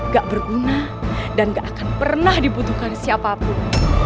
gak berguna dan gak akan pernah dibutuhkan siapapun